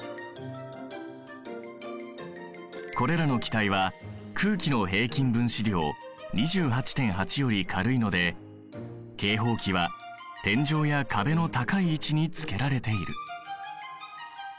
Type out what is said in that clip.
これらの気体は空気の平均分子量２８．８より軽いので警報器は天井や壁の高い位置につけられている。